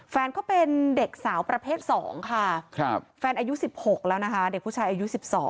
แฟนเขาเป็นเด็กสาวประเภท๒ค่ะแฟนอายุ๑๖แล้วนะคะเด็กผู้ชายอายุ๑๒